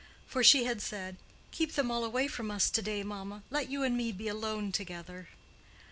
For she had said, "Keep them all away from us to day, mamma. Let you and me be alone together."